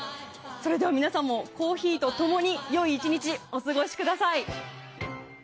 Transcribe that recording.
それでは皆さんもコーヒーと共に良い１日お過ごしください。